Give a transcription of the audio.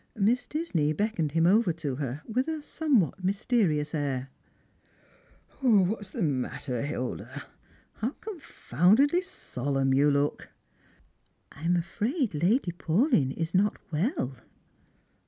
Miss Disney beckoned him over to her, with a somewhat mysterious air. " What's the matter, Hilda? How confoundedly solemn you look !"," I am afraid Lady Paiilyn is not well."